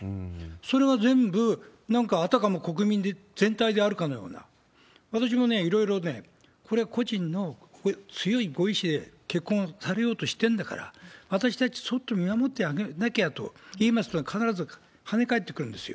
それは全部なんかあたかも国民全体であるかのような、私もね、いろいろね、これ、個人の強いご意思で結婚されようとしてるんだから、私たちそっと見守ってあげなきゃと、必ずはね返ってくるんですよ。